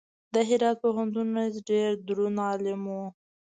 د هرات پوهنتون رئیس ډېر دروند عالم و.